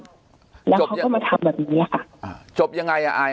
กลับบ้านแล้วเขาก็มาทำแบบนี้ค่ะอ่าจบยังไงอ่ะอาย